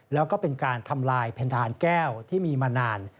แล้วก็เป็นการทำลายเพดานแก้วที่มีมานาน